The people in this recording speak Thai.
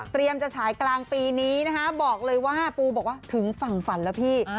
จะฉายกลางปีนี้นะคะบอกเลยว่าปูบอกว่าถึงฝั่งฝันแล้วพี่